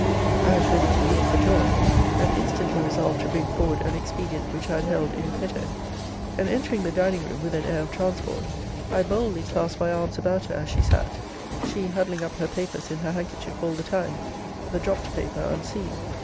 I was ready to leap for joy, and instantly resolved to bring forward an expedient which I had held in petto; and entering the dining room with an air of transport, I boldly clasped my arms about her, as she sat; she huddling up her papers in her handkerchief all the time; the dropped paper unseen.